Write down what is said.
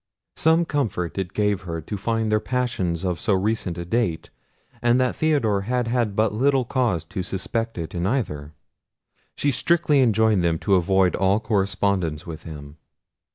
Some comfort it gave her to find their passion of so recent a date, and that Theodore had had but little cause to suspect it in either. She strictly enjoined them to avoid all correspondence with him.